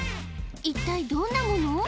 一体どんなもの？